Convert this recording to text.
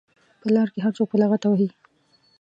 په لار کې هر څوک په لغته وهي.